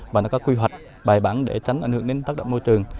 và nó có quy hoạch bài bản để tránh ảnh hưởng đến tác động môi trường